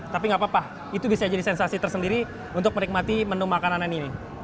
tapi nggak apa apa itu bisa jadi sensasi tersendiri untuk menikmati menu makanan ini